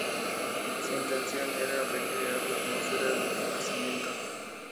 Su intención era recrear la atmósfera del Renacimiento.